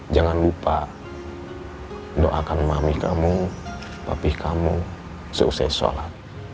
jangan lupa doakan mami kamu papi kamu selesai sholat